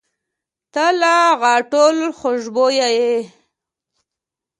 • ته لکه د غاټول خوشبويي یې.